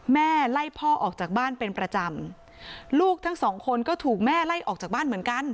แม่ไล่พ่อออกจากบ้านเป็นประจำลูกทั้งสองคนก็ถูกแม่ไล่ออกจากบ้านเหมือนกัน